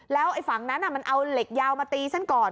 แล้วไอ้ฝั่งนั้นมันเอาเหล็กยาวมาตีฉันก่อน